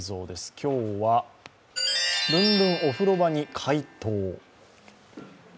今日は、ルンルンお風呂場に怪盗？